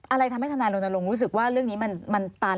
อะไรทำให้ทนายรณรงค์รู้สึกว่าเรื่องนี้มันตัน